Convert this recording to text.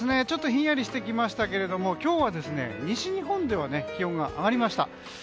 ちょっとひんやりしてきましたが今日は西日本では気温が上がりました。